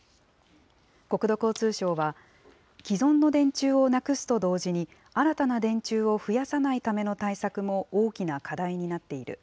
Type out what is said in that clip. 国土交通省は、既存の電柱をなくすと同時に、新たな電柱を増やさないための対策も大きな課題になっている。